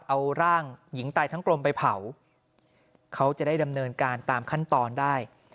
เอาร่างหญิงตายทั้งกลมไปเผาเขาจะได้ดำเนินการตามขั้นตอนได้